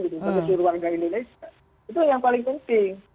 seperti masyarakat indonesia itu yang paling penting